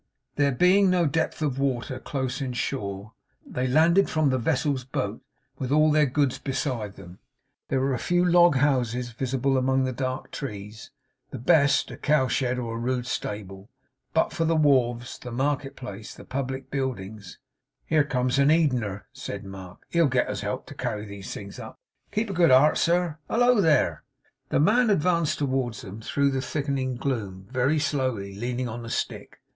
There being no depth of water close in shore, they landed from the vessel's boat, with all their goods beside them. There were a few log houses visible among the dark trees; the best, a cow shed or a rude stable; but for the wharves, the market place, the public buildings 'Here comes an Edener,' said Mark. 'He'll get us help to carry these things up. Keep a good heart, sir. Hallo there!' The man advanced toward them through the thickening gloom, very slowly; leaning on a stick.